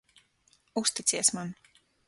Uzticies man.